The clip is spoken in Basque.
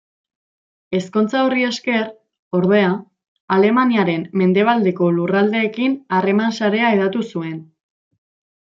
Ezkontza horri esker, ordea, Alemaniaren mendebaldeko lurraldeekin harreman-sarea hedatu zuen.